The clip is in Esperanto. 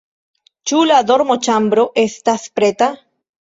Ĉu la dormoĉambro estas preta?